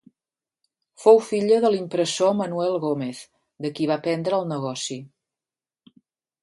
Fou filla de l'impressor Manuel Gómez, de qui va aprendre el negoci.